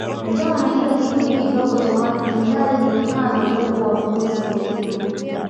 Njama na hila kikundi kidogo cha watu kingali kinakana uwep wa virusi vya Ukimwi